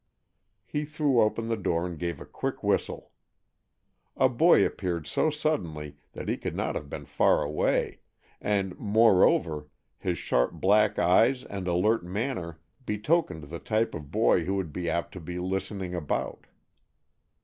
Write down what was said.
He threw open the door and gave a quick whistle. A boy appeared so suddenly that he could not have been far away, and, moreover, his sharp black eyes and alert manner betokened the type of boy who would be apt to be listening about.